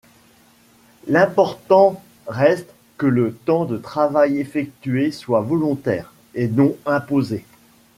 L'important reste que le temps de travail effectué soit volontaire, et non imposé.